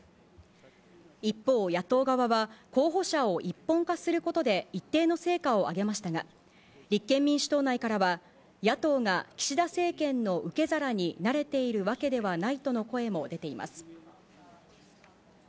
一方、野党側は候補者を一本化することで一定の成果を挙げましたが、立憲民主党内からは野党が岸田政権の受け皿になれているわけではないとの声も出ています。